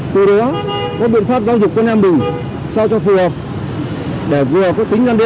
từ đó các biện pháp giáo dục của anh em mình sao cho phù hợp để vừa có tính gắn đeo vừa có tính giáo dục